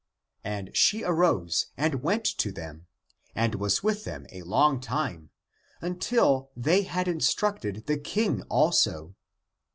" And she arose and went to them, and was with them a long time, until they had instructed the King also.